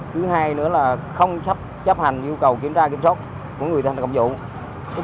thứ hai nữa là không sắp chấp hành nhu cầu kiểm tra kiểm soát của người tham gia cộng dụng